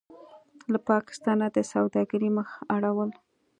له پاکستانه د سوداګرۍ مخ اړول: